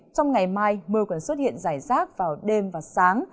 trong ngày mai mưa còn xuất hiện rải rác vào đêm và sáng